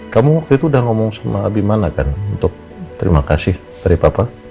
kamu waktu itu udah ngomong sama abimana kan untuk terima kasih dari papa